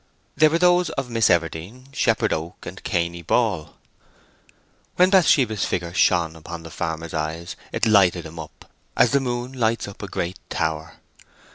They were those of Miss Everdene, Shepherd Oak, and Cainy Ball. When Bathsheba's figure shone upon the farmer's eyes it lighted him up as the moon lights up a great tower.